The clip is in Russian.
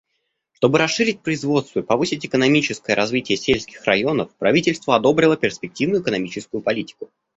Чтобы расширить производство и повысить экономическое развитие сельских районов, правительство одобрило перспективную экономическую политику.